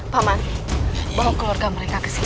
paman bawa keluarga mereka ke sini